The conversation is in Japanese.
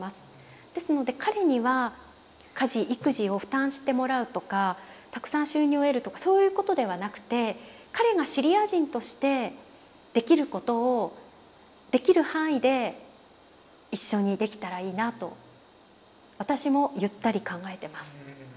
ですので彼には家事育児を負担してもらうとかたくさん収入を得るとかそういうことではなくて彼がシリア人としてできることをできる範囲で一緒にできたらいいなと私もゆったり考えてます。